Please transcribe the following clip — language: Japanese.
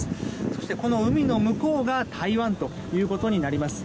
そして、この海の向こうが台湾ということになります。